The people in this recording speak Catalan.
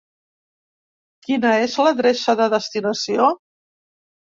Quina és la adreça de destinació?